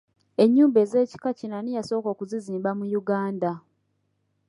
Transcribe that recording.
Ennyumba ez'ekika kino ani yasooka okuzizimba mu Uganda?